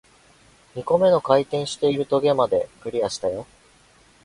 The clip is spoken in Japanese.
二個目の回転している棘まで、クリアしたよ